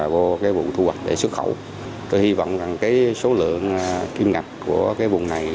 vô cái vụ thu hoạch để xuất khẩu tôi hy vọng rằng cái số lượng kim ngạch của cái vùng này